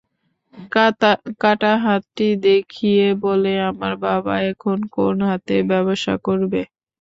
কাটা হাতটি দেখিয়ে বলে আমার বাবা এখন কোন হাতে ব্যবসা করবে।